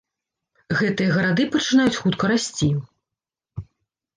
Гэтыя гарады пачынаюць хутка расці.